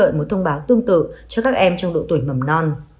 và mong đợi một thông báo tương tự cho các em trong độ tuổi mầm non